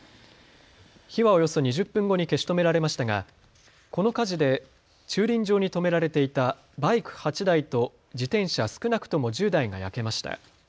火はおよそ２０分後に消し止められましたがこの火事で駐輪場に止められていたバイク８台と自転車少なくとも１０台が焼けました。